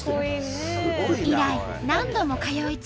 以来何度も通い詰め